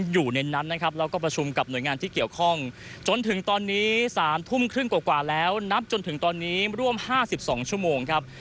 อยู่ในนั้นนะครับแล้วก็ประชุมกับหน่วยงานที่เกี่ยวข้องจนถึงตอนนี้๓ทุ่มครึ่งกว่าแล้วนับจนถึงตอนนี้ร่วม๕๒ชั่วโมงครับ